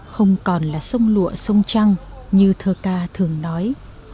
không còn là sông lụa sông trăng như thơ ca thường nói